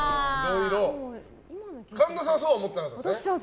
神田さんはそう思ってなかったのね？